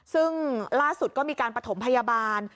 ซึ่งล่าสุดก็มีการประถมพยาบาล